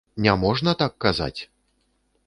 Не можна так казаць.